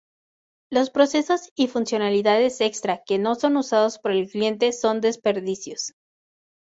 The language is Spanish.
Los procesos y funcionalidades extra que no son usados por el cliente son desperdicios.